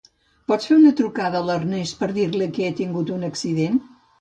Pots fer una trucada a l'Ernest per dir-li que he tingut un accident?